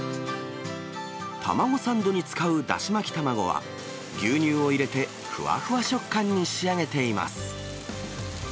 卵サンドに使うだし巻き卵は、牛乳を入れてふわふわ食感に仕上げています。